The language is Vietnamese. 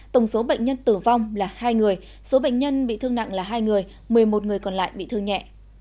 tổng số bệnh nhân tử vong là hai người số bệnh nhân bị thương nặng là hai người một mươi một người còn lại bị thương nhẹ